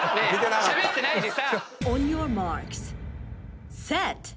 しゃべってないでさ！